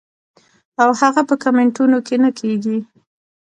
او هغه پۀ کمنټونو کښې نۀ کيږي -